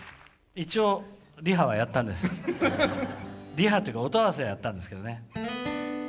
リハというか音合わせはやったんですけどね。